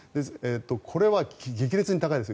これは激烈に高いです。